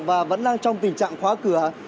và vẫn đang trong tình trạng khóa cửa